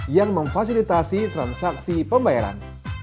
yang memfasilitasi transaksi pembayaran